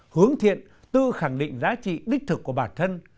hướng thiện tư khẳng định giá trị đích thực của bản thân